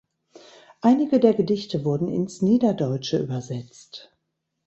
Einige der Gedichte wurden ins Niederdeutsche übersetzt.